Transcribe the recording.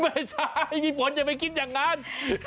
ไม่ใช่มีผลจะไปกินอย่างงาน